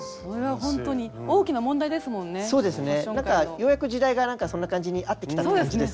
ようやく時代がそんな感じに合ってきたという感じです。